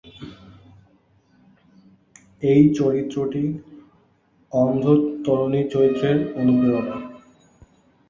এই চরিত্রটি অন্ধ তরুণী চরিত্রের অনুপ্রেরণা।